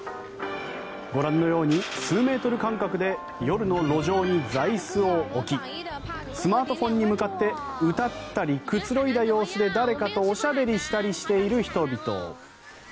ご覧のように数メートル間隔で夜の路上に座椅子を置きスマートフォンに向かって歌ったり、くつろいだ様子で誰かとおしゃべりしたりしている人々。